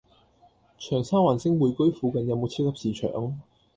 長沙灣星匯居附近有無超級市場？